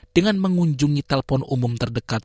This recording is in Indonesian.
dengan mengunjungi telpon umum terdekat